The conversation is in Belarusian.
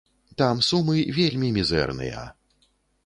Там сумы вельмі мізэрныя.